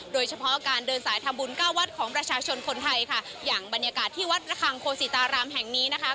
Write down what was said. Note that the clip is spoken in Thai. โดยเฉพาะการเดินสายทำบุญเก้าวัดของประชาชนคนไทยค่ะอย่างบรรยากาศที่วัดระคังโคศิตารามแห่งนี้นะคะ